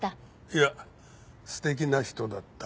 いや素敵な人だった。